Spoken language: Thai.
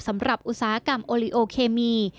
สำหรับอุตสาหกรรมโอลีโอเคมี